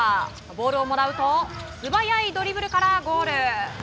ボールをもらうと素早いドリブルからゴール。